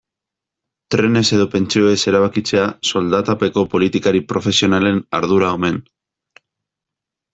Trenez edo pentsioez erabakitzea soldatapeko politikari profesionalen ardura omen.